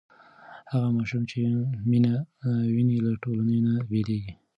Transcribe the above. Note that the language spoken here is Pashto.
هغه ماشوم چې مینه ویني له ټولنې نه بېلېږي.